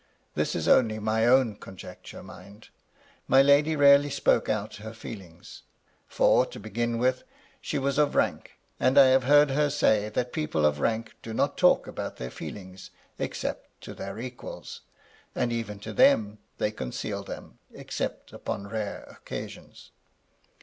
This is only my own conjecture, mind. My lady rarely spoke out her feelings. For, to begin with, she was of rank : and I have heard her say that people of rank do not talk about their feelings except to their equals, and even to them they conceal them, except upon rare occasions.